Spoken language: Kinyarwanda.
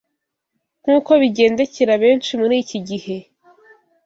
Nk’uko bigendekera benshi mur’iki gihe,